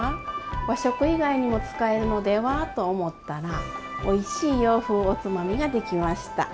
和食以外にも使えるのでは？」と思ったらおいしい洋風おつまみができました！